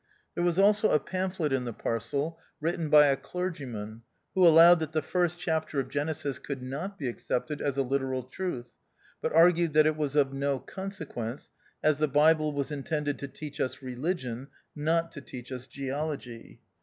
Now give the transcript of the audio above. There was also a pamphlet in the parcel, written by a clergyman, who al lowed that the first chapter of Genesis could not be accepted as a literal truth, but argued that it was of no consequence, as the Bible was intended to teach us religion, not to teach us geology.